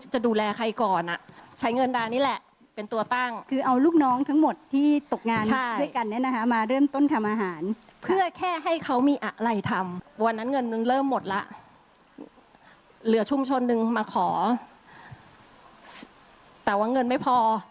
ชุมชนหนึ่งมาขอแต่ว่าเงินไม่พอตอนนั้นเงินไม่พอ